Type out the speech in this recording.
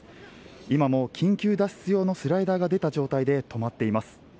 今も緊急脱出用のスライダーが出た状態で止まっています。